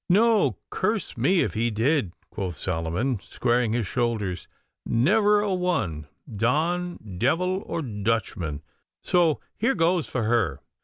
'No, curse me if he did!' quoth Solomon, squaring his shoulders, 'never a one, Don, Devil, or Dutchman; so here goes for her!